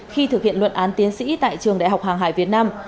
khi thực hiện luận án tiến sĩ tại trường đại học hàng hải việt nam